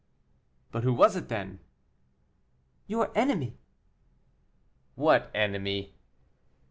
"But who was it then?" "Your enemy." "What enemy?"